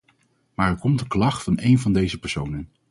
Maar er komt een klacht van één van deze personen.